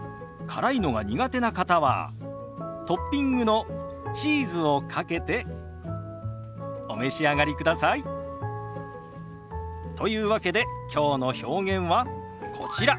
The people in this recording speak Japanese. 辛いのが苦手な方はトッピングのチーズをかけてお召し上がりください。というわけできょうの表現はこちら。